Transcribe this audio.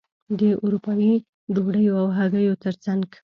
د اروپايي ډوډیو او هګیو ترڅنګ.